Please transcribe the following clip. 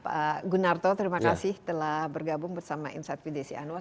pak gunarto terima kasih telah bergabung bersama insight with desi anwar